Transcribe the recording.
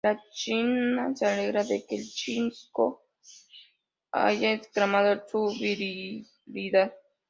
La Chica se alegra de que "El Chico" haya reclamado su virilidad.